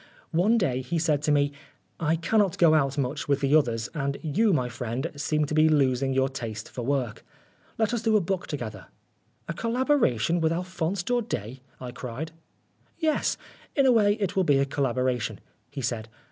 One day he said to me, " I cannot go out much with the others, and you, my friend, seem to be losing your taste for work. Let us do a book together." 1 80 Oscar Wilde " A collaboration with Alphonse Daudet ?" I cried. "Yes. In a way it will be a collabora tion," he said.